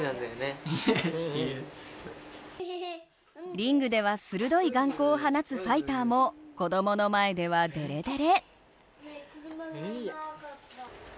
リングでは鋭い眼光を放つファイターも子供の前ではデレデレ。